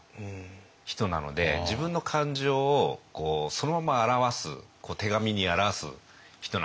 なので自分の感情をそのまま表す手紙に表す人なんですね。